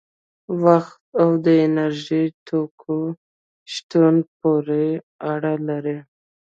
وخت او د انرژي توکو شتون پورې اړه لري.